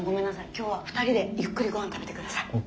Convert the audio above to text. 今日は２人でゆっくりごはん食べてください。